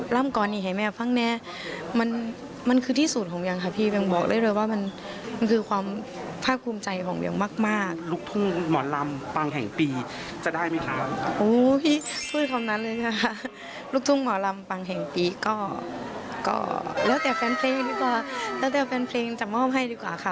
ล้ำกรณีให้แม่ฟังแนมันคือที่สุดของเวียงค่ะพี่เวียงบอกเลยเลยว่ามันข้าวคุมใจของเวียงมาก